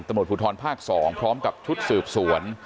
ตำรวจภูทรภาค๒พร้อมกับชุดสืบสวน